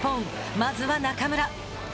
まずは中村。